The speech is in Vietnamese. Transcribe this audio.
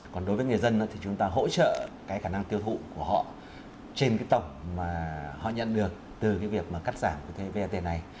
còn đối với người dân thì chúng ta hỗ trợ cái khả năng tiêu thụ của họ trên cái tổng mà họ nhận được từ cái việc mà cắt giảm cái vat này